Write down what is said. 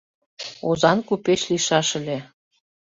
Озан купеч лийшаш ыле.